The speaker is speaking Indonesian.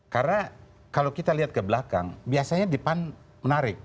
karena kalau kita lihat ke belakang biasanya depan menarik